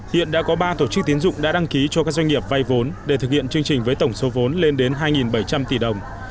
hiện đã có ba tổ chức tiến dụng đã đăng ký cho các doanh nghiệp vay vốn để thực hiện chương trình với tổng số vốn lên đến hai bảy trăm linh tỷ đồng